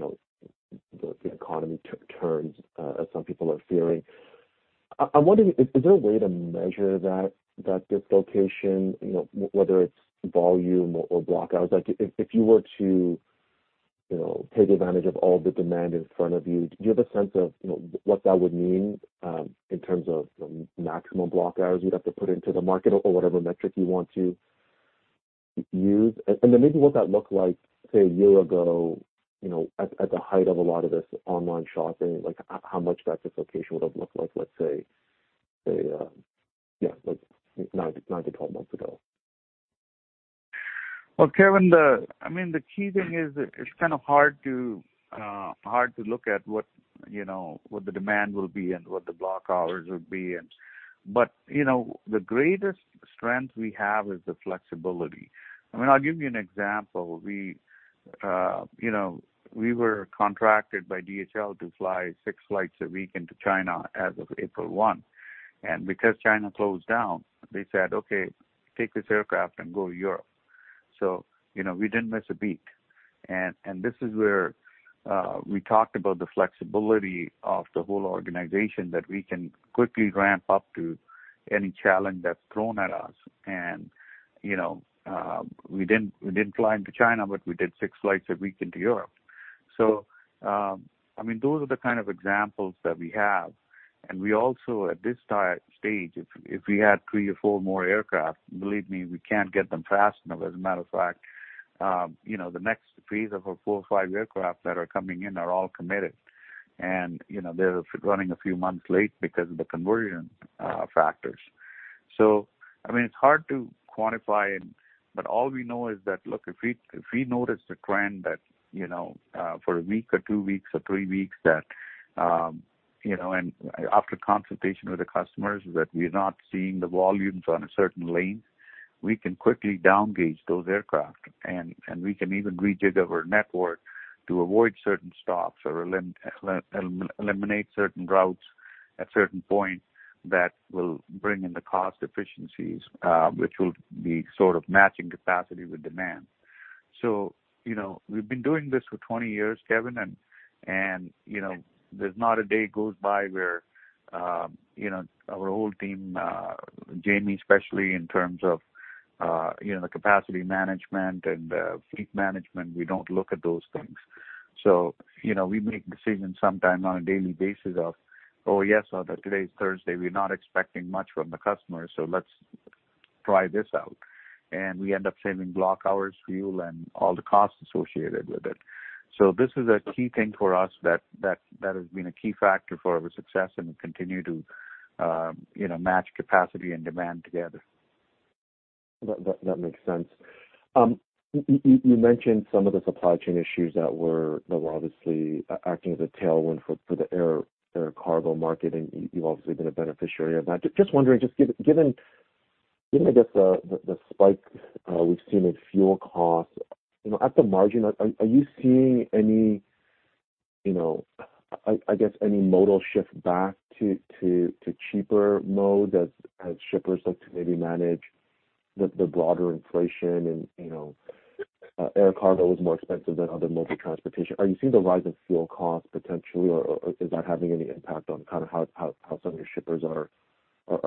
know, the economy turns, as some people are fearing. I'm wondering, is there a way to measure that dislocation, you know, whether it's volume or blockouts? Like, if you were to, you know, take advantage of all the demand in front of you, do you have a sense of, you know, what that would mean, in terms of the maximum block hours you'd have to put into the market or whatever metric you want to use? Then maybe what that looked like, say, a year ago, you know, at the height of a lot of this online shopping, like how much that dislocation would have looked like, let's say, yeah, like nine to 12 months ago. Kevin, I mean, the key thing is it's kind of hard to hard to look at what, you know, what the demand will be and what the block hours would be. You know, the greatest strength we have is the flexibility. I mean, I'll give you an example. We, you know, we were contracted by DHL to fly six flights a week into China as of April one. Because China closed down, they said, "Okay, take this aircraft and go to Europe." You know, we didn't miss a beat. And this is where we talked about the flexibility of the whole organization that we can quickly ramp up to any challenge that's thrown at us. You know, we didn't fly into China, but we did six flights a week into Europe. I mean, those are the kind of examples that we have. We also at this stage, if we had three or four more aircraft, believe me, we can't get them fast enough. As a matter of fact, you know, the next phase of four or five aircraft that are coming in are all committed. You know, they're running a few months late because of the conversion factors. I mean, it's hard to quantify, but all we know is that, look, if we notice a trend that, you know, for a week or two weeks or three weeks that, you know, and after consultation with the customers that we're not seeing the volumes on a certain lane, we can quickly downgrade those aircraft and we can even rejig our network to avoid certain stops or eliminate certain routes at certain points that will bring in the cost efficiencies, which will be sort of matching capacity with demand. You know, we've been doing this for 20 years, Kevin, and you know, there's not a day goes by where you know, our whole team, Jamie, especially in terms of you know, the capacity management and fleet management, we don't look at those things. You know, we make decisions sometimes on a daily basis of, oh, yes, today is Thursday, we're not expecting much from the customers, so let's try this out. We end up saving block hours, fuel, and all the costs associated with it. This is a key thing for us that has been a key factor for our success and we continue to, you know, match capacity and demand together. That makes sense. You mentioned some of the supply chain issues that were obviously acting as a tailwind for the air cargo market, and you've obviously been a beneficiary of that. Just wondering, given, I guess, the spike we've seen in fuel costs, you know, at the margin, are you seeing any, you know, I guess, any modal shift back to cheaper modes as shippers look to maybe manage the broader inflation and, you know, air cargo is more expensive than other multimodal transportation. Are you seeing the rise of fuel costs potentially or is that having any impact on kind of how some of your shippers are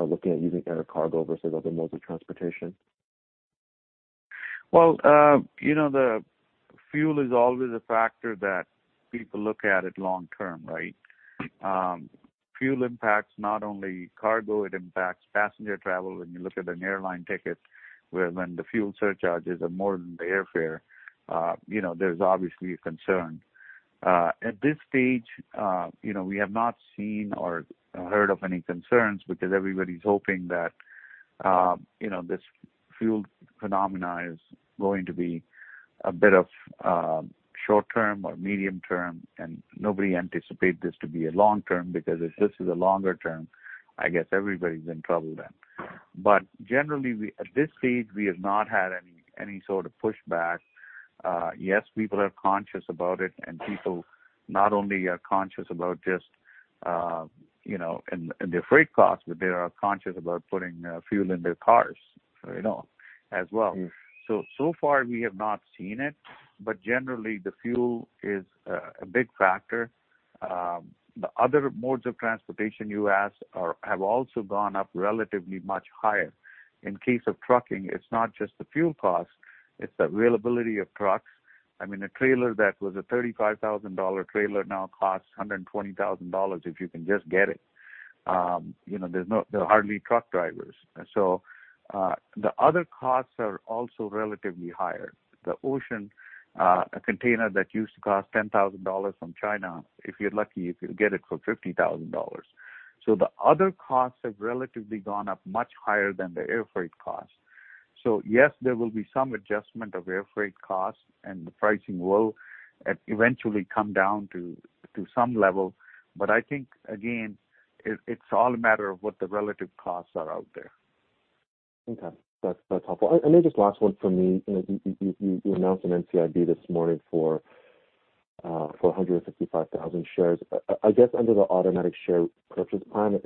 looking at using air cargo versus other multimodal transportation? Well, you know, the fuel is always a factor that people look at long term, right? Fuel impacts not only cargo, it impacts passenger travel. When you look at an airline ticket where the fuel surcharges are more than the airfare, you know, there's obviously a concern. At this stage, you know, we have not seen or heard of any concerns because everybody's hoping that, you know, this fuel phenomena is going to be a bit of short term or medium term, and nobody anticipate this to be a long term, because if this is a longer term, I guess everybody's in trouble then. Generally, at this stage, we have not had any sort of pushback. Yes, people are conscious about it, and people not only are conscious about just, you know, in their freight costs, but they are conscious about putting fuel in their cars, you know, as well. Mm-hmm. So far, we have not seen it, but generally, the fuel is a big factor. The other modes of transportation you asked have also gone up relatively much higher. In case of trucking, it's not just the fuel costs, it's the availability of trucks. I mean, a trailer that was a $35,000 trailer now costs $120,000, if you can just get it. You know, there are hardly truck drivers. The other costs are also relatively higher. The ocean, a container that used to cost $10,000 from China, if you're lucky, you could get it for $50,000. The other costs have relatively gone up much higher than the air freight cost. Yes, there will be some adjustment of air freight costs, and the pricing will eventually come down to some level. I think, again, it's all a matter of what the relative costs are out there. Okay. That's helpful. Maybe just last one from me. You announced an NCIB this morning for 155,000 shares. I guess under the automatic share purchase plan,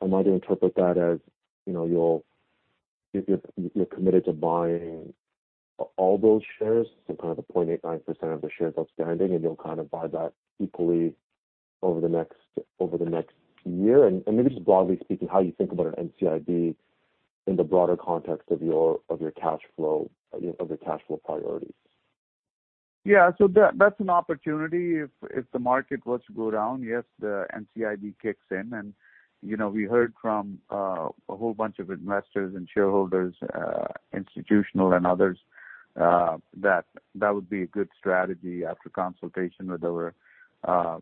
am I to interpret that as you're committed to buying all those shares, so kind of the 0.89% of the shares outstanding, and you'll kinda buy that equally over the next year? Maybe just broadly speaking, how you think about an NCIB in the broader context of your cash flow priorities. Yeah. That's an opportunity if the market was to go down, yes, the NCIB kicks in. You know, we heard from a whole bunch of investors and shareholders, institutional and others, that that would be a good strategy after consultation with our,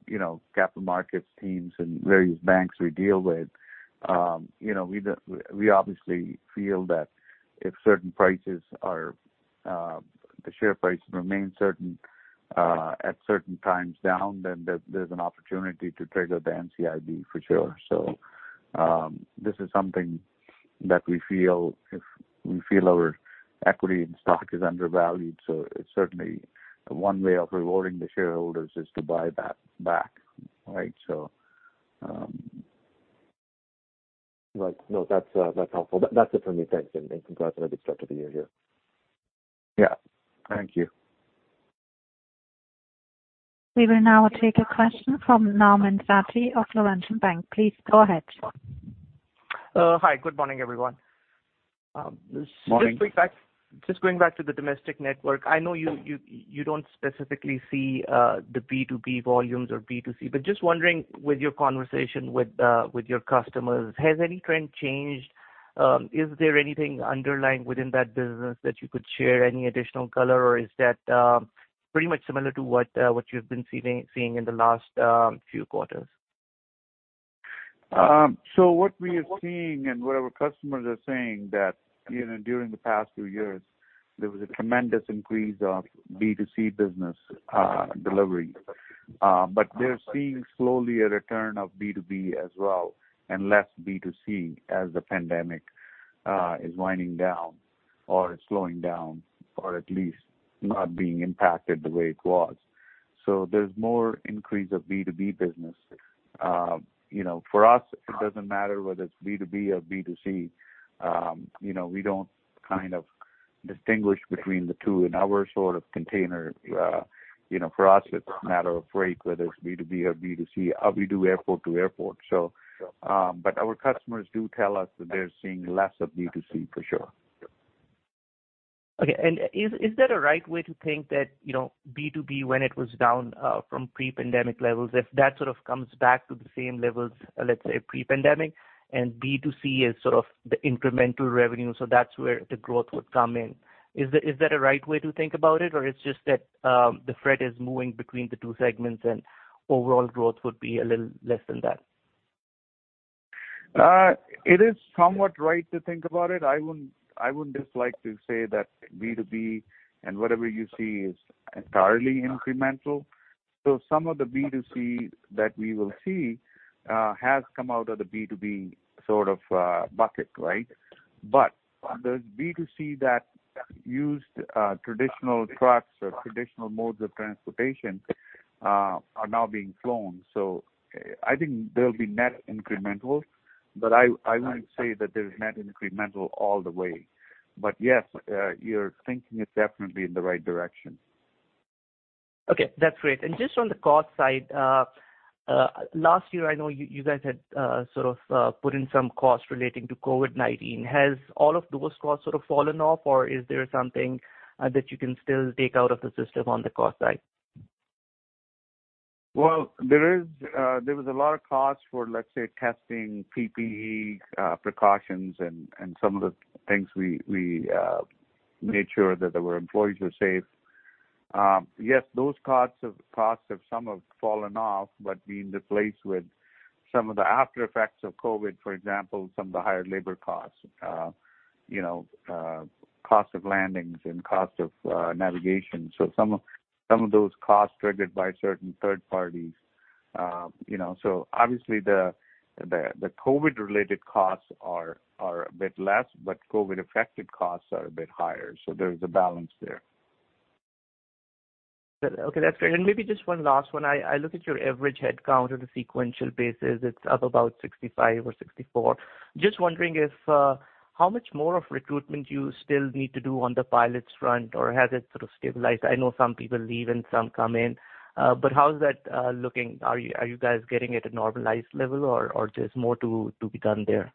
you know, capital markets teams and various banks we deal with. You know, we obviously feel that if certain prices are, the share price remains certain, at certain times down, then there's an opportunity to trigger the NCIB for sure. This is something that we feel our equity and stock is undervalued, so it's certainly one way of rewarding the shareholders is to buy that back, right? So, Right. No, that's helpful. That's it for me. Thanks, Jim. Congrats on a good start to the year here. Yeah. Thank you. We will now take a question from Nauman Satti of Laurentian Bank. Please go ahead. Hi. Good morning, everyone. Morning. Just going back to the domestic network. I know you don't specifically see the B2B volumes or B2C, but just wondering, with your conversation with your customers, has any trend changed? Is there anything underlying within that business that you could share, any additional color, or is that pretty much similar to what you've been seeing in the last few quarters? What we are seeing and what our customers are saying that, you know, during the past few years, there was a tremendous increase of B2C business, delivery. But they're seeing slowly a return of B2B as well and less B2C as the pandemic is winding down or is slowing down or at least not being impacted the way it was. There's more increase of B2B business. You know, for us, it doesn't matter whether it's B2B or B2C. You know, we don't kind of distinguish between the two in our sort of container. You know, for us, it's a matter of freight, whether it's B2B or B2C. We do airport to airport. Our customers do tell us that they're seeing less of B2C for sure. Okay. Is that a right way to think that, you know, B2B when it was down from pre-pandemic levels, if that sort of comes back to the same levels, let's say pre-pandemic, and B2C is sort of the incremental revenue, so that's where the growth would come in. Is that a right way to think about it, or it's just that the freight is moving between the two segments and overall growth would be a little less than that? It is somewhat right to think about it. I wouldn't dislike to say that B2B and whatever you see is entirely incremental. Some of the B2C that we will see has come out of the B2B sort of bucket, right? There's B2C that used traditional trucks or traditional modes of transportation are now being flown. I think they'll be net incremental, but I wouldn't say that there's net incremental all the way. Yes, you're thinking it definitely in the right direction. Okay, that's great. Just on the cost side, last year, I know you guys had sort of put in some cost relating to COVID-19. Has all of those costs sort of fallen off, or is there something that you can still take out of the system on the cost side? Well, there was a lot of costs for, let's say, testing, PPE, precautions and some of the things we made sure that our employees were safe. Yes, those costs have some fallen off but been replaced with some of the after effects of COVID, for example, some of the higher labor costs, you know, cost of landings and cost of navigation. Some of those costs triggered by certain third parties. You know, so obviously, the COVID-related costs are a bit less, but COVID-affected costs are a bit higher, so there's a balance there. Okay, that's great. Maybe just one last one. I look at your average headcount on a sequential basis. It's up about 65 or 64. Just wondering if how much more of recruitment you still need to do on the pilots front, or has it sort of stabilized? I know some people leave and some come in, but how's that looking? Are you guys getting at a normalized level or there's more to be done there?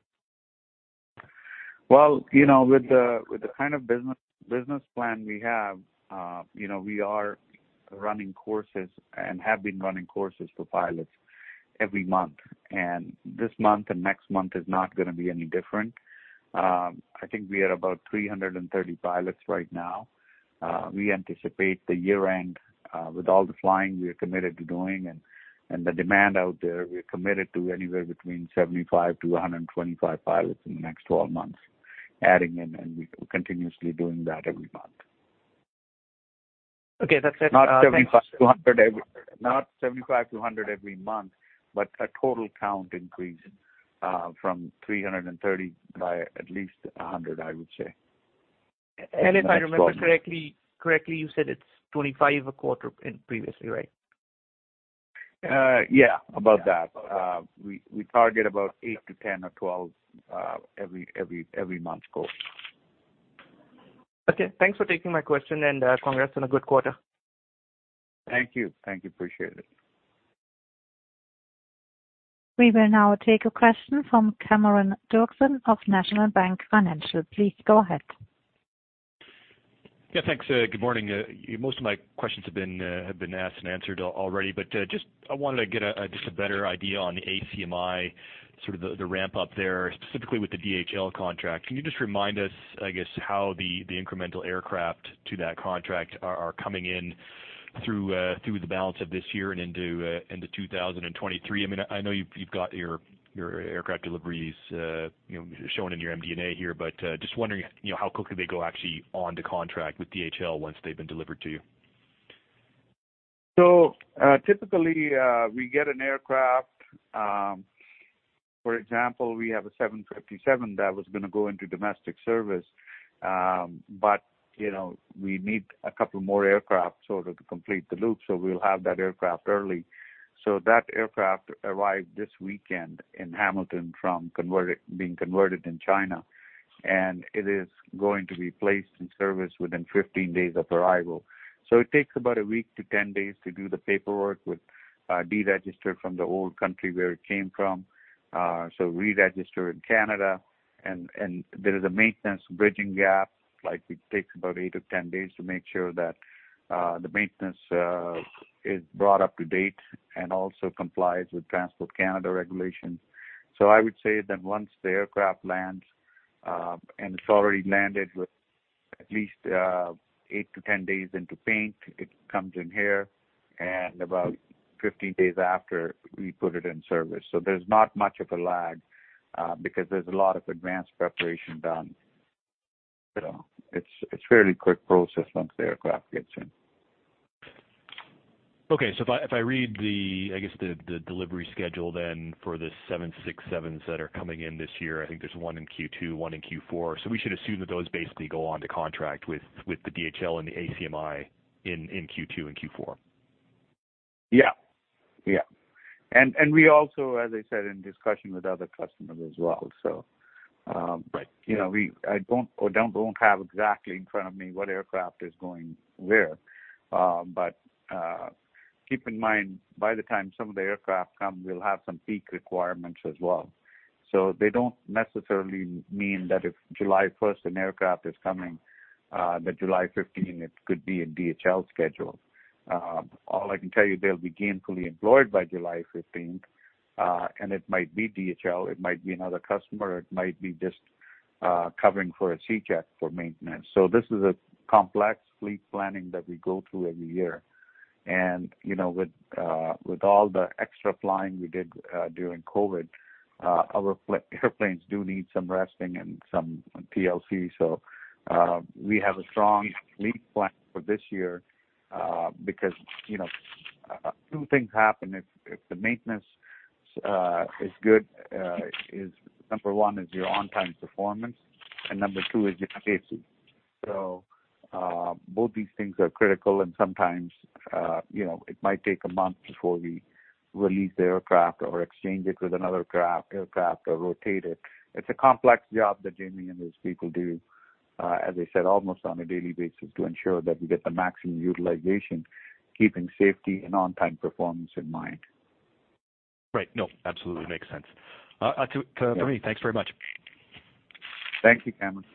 Well, you know, with the kind of business plan we have, you know, we are running courses and have been running courses for pilots every month. This month and next month is not gonna be any different. I think we are about 330 pilots right now. We anticipate the year-end, with all the flying we are committed to doing and the demand out there, we are committed to anywhere between 75-125 pilots in the next 12 months, adding in, and we're continuously doing that every month. Okay. That's it. Thanks. Not 75-100 every month, but a total count increase from 330 by at least 100, I would say. If I remember correctly, you said it's 25 a quarter in previously, right? Yeah, about that. We target about 8 to 10 or 12 every month quota. Okay. Thanks for taking my question, and congrats on a good quarter. Thank you. Appreciate it. We will now take a question from Cameron Doerksen of National Bank Financial. Please go ahead. Yeah. Thanks. Good morning. Most of my questions have been asked and answered already. I wanted to get just a better idea on the ACMI, sort of the ramp up there, specifically with the DHL contract. Can you just remind us, I guess, how the incremental aircraft to that contract are coming in through the balance of this year and into 2023? I mean, I know you've got your aircraft deliveries, you know, shown in your MD&A here. Just wondering, you know, how quickly they go actually on to contract with DHL once they've been delivered to you. Typically, we get an aircraft, for example, we have a 757 that was gonna go into domestic service. But, you know, we need a couple more aircraft so to complete the loop, so we'll have that aircraft early. That aircraft arrived this weekend in Hamilton from being converted in China, and it is going to be placed in service within 15 days of arrival. It takes about a week to 10 days to do the paperwork with deregister from the old country where it came from, so re-register in Canada. And there is a maintenance bridging gap, like it takes about 8 to 10 days to make sure that the maintenance is brought up to date and also complies with Transport Canada regulations. I would say that once the aircraft lands, and it's already landed with at least 8-10 days into paint, it comes in here, and about 15 days after we put it in service. There's not much of a lag, because there's a lot of advanced preparation done. You know, it's a fairly quick process once the aircraft gets in. Okay. If I read the, I guess, the delivery schedule then for the 767s that are coming in this year, I think there's one in Q2, one in Q4. We should assume that those basically go on to contract with the DHL and the ACMI in Q2 and Q4. We also, as I said, are in discussion with other customers as well. You know, I don't have exactly in front of me what aircraft is going where. Keep in mind, by the time some of the aircraft come, we'll have some peak requirements as well. They don't necessarily mean that if July 1 an aircraft is coming, the July 15, it could be a DHL schedule. All I can tell you, they'll be gainfully employed by July 15, and it might be DHL, it might be another customer, it might be just covering for a C check for maintenance. This is a complex fleet planning that we go through every year. You know, with all the extra flying we did during COVID, our airplanes do need some resting and some TLC. We have a strong fleet plan for this year, because you know, two things happen if the maintenance is good, number one is your on-time performance, and number two is your safety. Both these things are critical, and sometimes, you know, it might take a month before we release the aircraft or exchange it with another aircraft or rotate it. It's a complex job that Jamie and his people do, as I said, almost on a daily basis to ensure that we get the maximum utilization, keeping safety and on-time performance in mind. Right. No, absolutely makes sense. From me, thanks very much. Thank you, Cameron.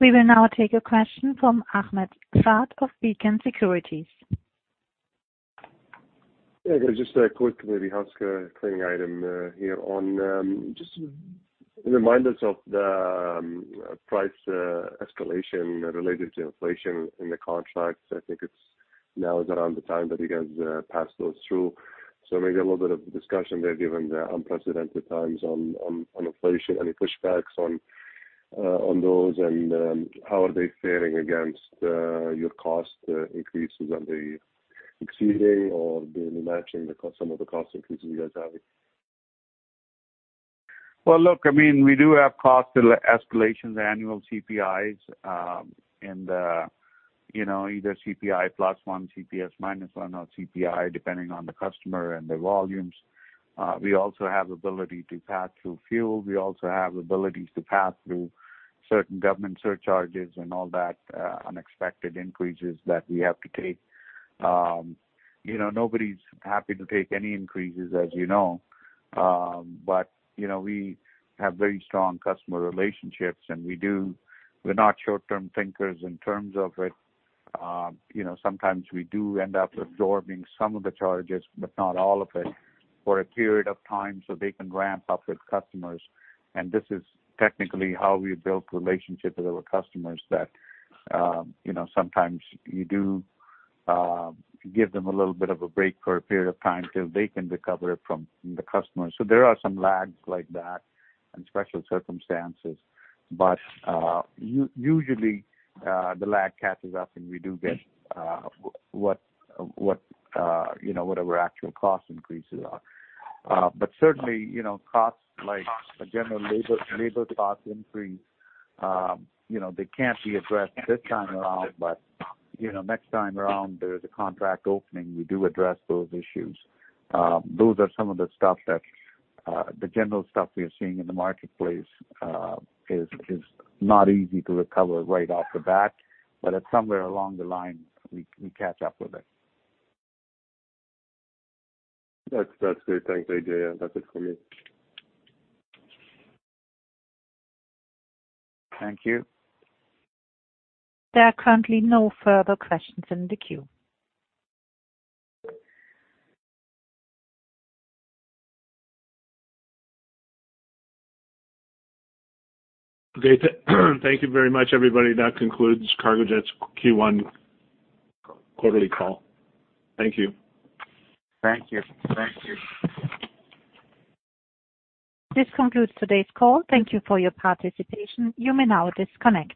We will now take a question from Ahmad Shaath of Beacon Securities. Yeah. Just a quick maybe housekeeping item here on just remind us of the price escalation related to inflation in the contracts. I think it's now around the time that you guys pass those through. Maybe a little bit of discussion there given the unprecedented times on inflation. Any pushbacks on those, and how are they faring against your cost increases? Are they exceeding or matching some of the cost increases you guys are having? Well, look, I mean, we do have cost escalations, annual CPIs, and you know, either CPI plus one, CPI minus one or CPI depending on the customer and the volumes. We also have ability to pass through fuel. We also have ability to pass through certain government surcharges and all that, unexpected increases that we have to take. You know, nobody's happy to take any increases, as you know. You know, we have very strong customer relationships, and we do. We're not short-term thinkers in terms of it. You know, sometimes we do end up absorbing some of the charges, but not all of it, for a period of time, so they can ramp up with customers. This is technically how we build relationships with our customers that, you know, sometimes you do give them a little bit of a break for a period of time till they can recover it from the customers. There are some lags like that and special circumstances. Usually, the lag catches up, and we do get what you know, whatever actual cost increases are. Certainly, you know, costs like general labor cost increase, you know, they can't be addressed this time around. You know, next time around, there's a contract opening, we do address those issues. Those are some of the stuff that the general stuff we are seeing in the marketplace is not easy to recover right off the bat, but somewhere along the line, we catch up with it. That's great. Thanks, AJ. That's it for me. Thank you. There are currently no further questions in the queue. Okay. Thank you very much, everybody. That concludes Cargojet's Q1 quarterly call. Thank you. Thank you. Thank you. This concludes today's call. Thank you for your participation. You may now disconnect.